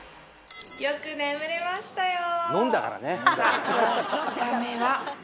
よく眠れましたよ